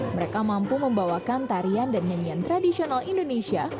mereka mampu membawakan tarian dan nyanyian tradisional indonesia